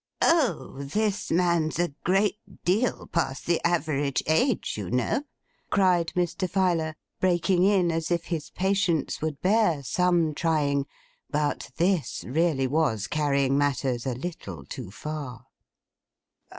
'O! This man's a great deal past the average age, you know,' cried Mr. Filer breaking in as if his patience would bear some trying, but this really was carrying matters a little too far.